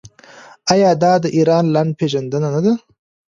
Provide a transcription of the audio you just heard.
آیا دا د ایران لنډه پیژندنه نه ده؟